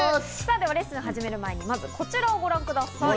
レッスンを始める前にこちらをご覧ください。